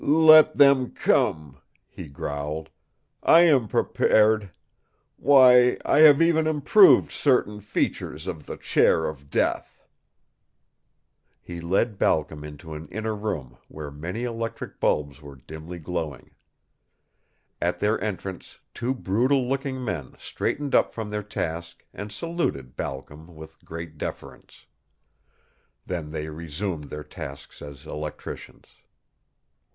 "Let them come," he growled. "I am prepared. Why, I have even improved certain features of the Chair of Death." He led Balcom into an inner room where many electric bulbs were dimly glowing. At their entrance two brutal looking men straightened up from their task and saluted Balcom with great deference. Then they resumed their tasks as electricians.